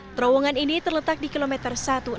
terowongan ini terletak di kilometer satu ratus enam puluh